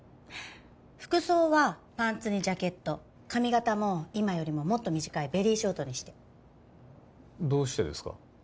服装はパンツにジャケット髪形も今よりももっと短いベリーショートにしてどうしてですか？